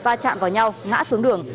và chạm vào nhau ngã xuống đường